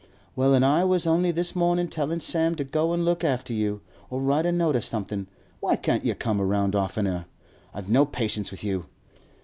'Well, an' I was only this mornin' tellin' Sam to go an' look after you, or write a note, or somethin'! Why can't you come round oftener? I've no patience with you!